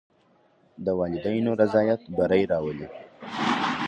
د والدینو رضایت بری راولي.